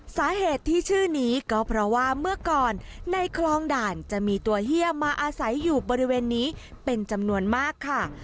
สาเหตุที่ชื่อนี้ก็เพราะว่าเมื่อก่อนในคลองด่านจะมีตัวเฮียมาอาศัยอยู่บริเวณนี้เป็นจำนวนมากค่ะ